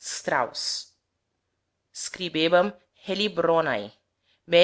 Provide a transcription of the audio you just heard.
STRAUSS. Scribebam Heilbronnz, Med.